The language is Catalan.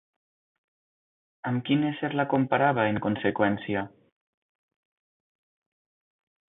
Amb quin ésser la comparava en conseqüència?